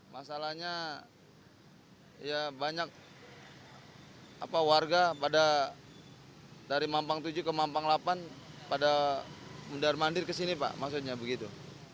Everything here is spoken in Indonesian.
masalahnya ya banyak warga pada dari mampang tujuh ke mampang delapan pada mundar mandir ke sini pak maksudnya begitu